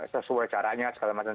sesuai caranya segala macam